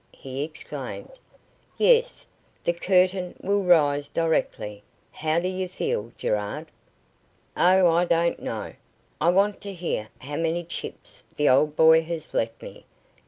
he exclaimed. "Yes; the curtain will rise directly. How do you feel, Gerard?" "Oh, I don't know. I want to hear how many chips the old boy has left me.